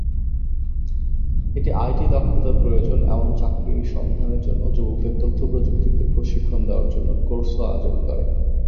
এটি আইটি দক্ষতার প্রয়োজন এমন চাকরির সন্ধানের জন্য যুবকদের তথ্য প্রযুক্তিতে প্রশিক্ষণ দেওয়ার জন্য কোর্সও আয়োজন করে।